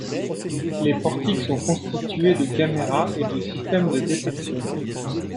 Les portiques sont constitués de caméras et de systèmes de détection.